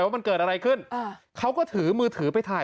มันเกิดอะไรขึ้นเขาก็ถือมือถือไปถ่าย